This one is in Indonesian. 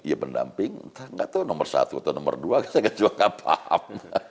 ya pendamping enggak tahu nomor satu atau nomor dua saya juga nggak paham